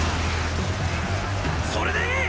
それでいい！